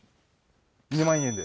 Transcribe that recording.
２万円で。